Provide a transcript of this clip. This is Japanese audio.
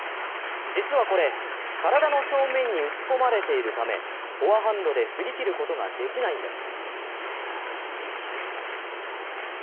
実はこれ、体の正面に打ち込まれているためフォアハンドで振り切ることができないんです。